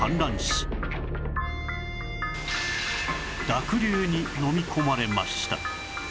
濁流にのみ込まれました